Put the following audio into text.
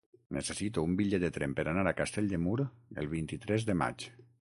Necessito un bitllet de tren per anar a Castell de Mur el vint-i-tres de maig.